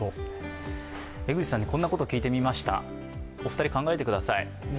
江口さんにこんなことを聞いてみました。